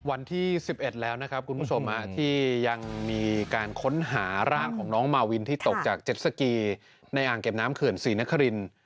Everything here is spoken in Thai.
วันที่๑๑แล้วนะครับคุณผู้ชมที่ยังมีการค้นหาร่างของน้องมาวินที่ตกจากเจ็ดสกีในอ่างเก็บน้ำเขื่อนศรีนคริน